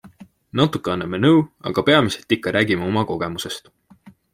Natuke anname nõu, aga peamiselt ikka räägime oma kogemusest.